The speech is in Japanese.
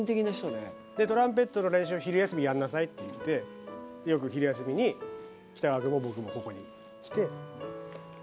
で、トランペットの練習昼休みやんなさいって言ってよく昼休みに北川くんも僕もここに来て。